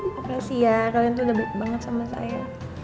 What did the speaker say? makasih ya kalian tuh udah banget sama saya